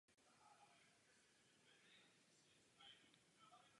Proto z dřívějších obytných prostor vytvořil kanceláře a přestěhoval se do bytu.